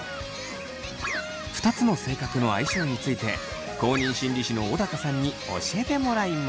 ２つの性格の相性について公認心理師の小高さんに教えてもらいます。